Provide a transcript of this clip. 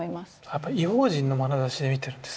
やっぱり異邦人のまなざしで見てるんですね。